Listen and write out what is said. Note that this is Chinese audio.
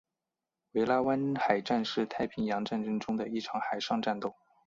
维拉湾海战是太平洋战争中的一场海上战斗。